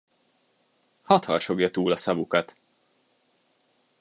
Hadd harsogja túl a szavukat!